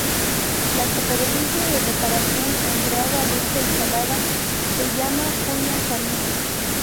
La superficie de separación entre agua dulce y salada se llama cuña salina.